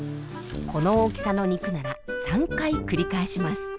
この大きさの肉なら３回繰り返します。